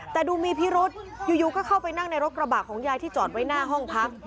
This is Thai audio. แต่ดูมีพิรุษอยู่ก็เข้าไปนั่งในรถกระบะของยายที่จอดไว้หน้าห้องพัก